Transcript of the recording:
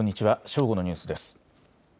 正午のニュースです。